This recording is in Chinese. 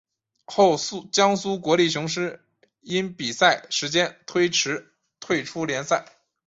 后江苏国立雄狮因比赛时间推迟退出联赛。